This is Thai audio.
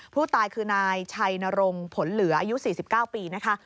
ผู้ตายคือนายชัยนรงค์ผลเหลืออายุ๔๙ปีนะคะ